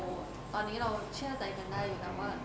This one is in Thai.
ผมรู้สึกว่าตอนนี้เราเชื่อใจกันได้อยู่นะว่า